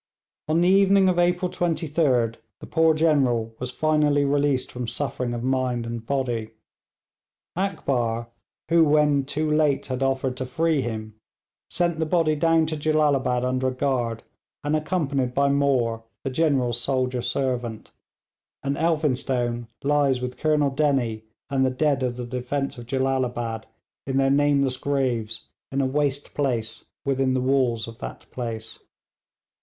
On the evening of April 23d the poor General was finally released from suffering of mind and body. Akbar, who when too late had offered to free him, sent the body down to Jellalabad under a guard, and accompanied by Moore the General's soldier servant; and Elphinstone lies with Colonel Dennie and the dead of the defence of Jellalabad in their nameless graves in a waste place within the walls of that place.